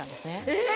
えっ！